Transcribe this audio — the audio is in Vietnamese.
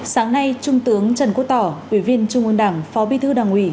sáng nay trung tướng trần quốc tỏ ủy viên trung ương đảng phó bí thư đảng ủy